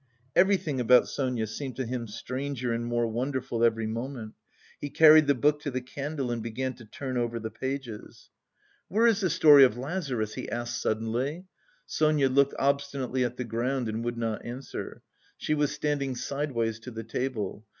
Everything about Sonia seemed to him stranger and more wonderful every moment. He carried the book to the candle and began to turn over the pages. "Where is the story of Lazarus?" he asked suddenly. Sonia looked obstinately at the ground and would not answer. She was standing sideways to the table.